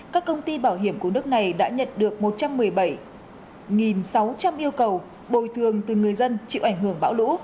các công ty bảo hiểm của nước này đã nhận được một trăm một mươi bảy sáu trăm linh yêu cầu bồi thường từ người dân chịu ảnh hưởng bão lũ